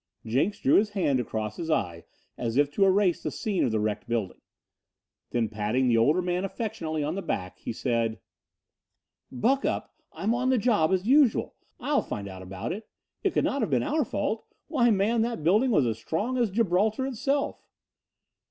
Jenks drew his hand across his eye as if to erase the scene of the wrecked building. Then patting the older man affectionately on the back he said: "Buck up. I'm on the job, as usual. I'll find out about it. It could not have been our fault. Why man, that building was as strong as Gibraltar itself!"